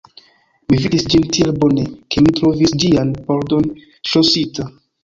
Mi vidis ĝin tiel bone, ke mi trovis ĝian pordon ŝlosita.